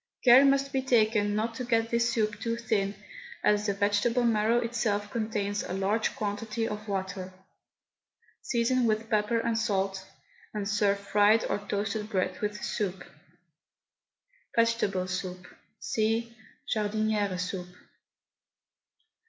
Care must be taken not to get this soup too thin, as the vegetable marrow itself contains a large quantity of water. Season with pepper and salt, and serve fried or toasted bread with the soup. VEGETABLE SOUP. (See JARDINIERE SOUP.)